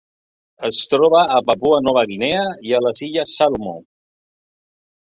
Es troba a Papua Nova Guinea i a les Illes Salomó.